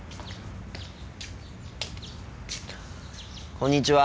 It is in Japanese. こんにちは。